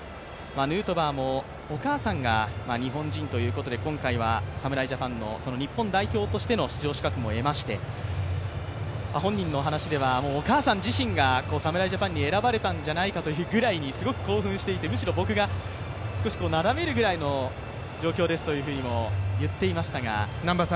ヌートバーもお母さんが日本人ということで今回は侍ジャパンの日本代表としての出場資格も得まして、本人の話ではお母さん自身が侍ジャパンに出るんじゃないかというぐらい興奮していてすごく興奮していて、むしろ僕が少しなだめるくらいの状況ですと言っていました。